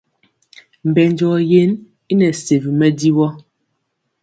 Mbɛnjɔ yen i nɛ sewi mɛdivɔ.